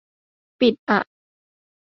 ปิดอ่ะ